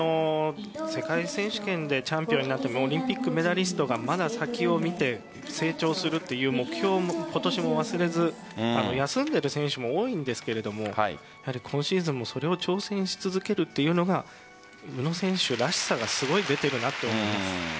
世界選手権でチャンピオンになってオリンピックメダリストがまだ先を見て成長するという目標を今年も忘れず休んでいる選手も多いんですけどもやはり今シーズンもそれを挑戦し続けるというのが宇野選手らしさがすごい出ているなと思います。